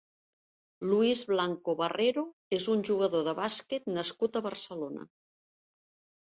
Luis Blanco Barrero és un jugador de bàsquet nascut a Barcelona.